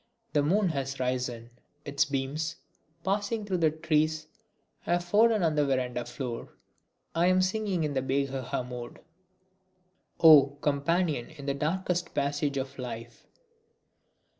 The moon has risen; its beams, passing though the trees, have fallen on the verandah floor; I am singing in the Behaga mode: O Companion in the darkest passage of life....